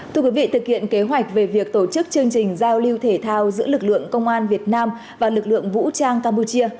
thưa quý vị thực hiện kế hoạch về việc tổ chức chương trình giao lưu thể thao giữa lực lượng công an việt nam và lực lượng vũ trang campuchia